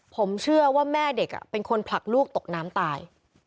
ผมเชื่อว่าแม่เด็กเป็นคนผลักลูกตกน้ำตาย